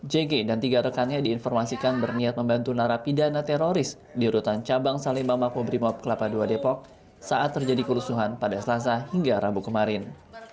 jg dan tiga rekannya diinformasikan berniat membantu narapidana teroris di rutan cabang salimba makobrimob kelapa ii depok saat terjadi kerusuhan pada selasa hingga rabu kemarin